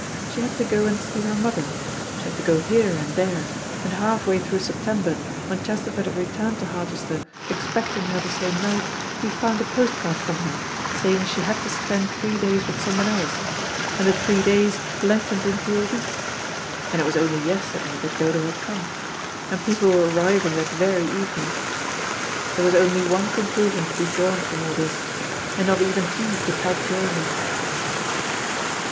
She had to go and see her mother, she had to go here and there, and half way through September, when Chesterford had returned to Harchester expecting her the same night, he found a postcard from her, saying she had to spend three days with someone else, and the three days lengthened into a week, and it was only yesterday that Dodo had come and people were arriving that very evening. There was only one conclusion to be drawn from all this, and not even he could help drawing it.